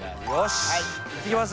いってきます。